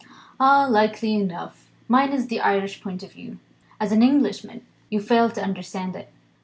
"Ah, likely enough! Mine's the Irish point of view. As an Englishman you fail to understand it.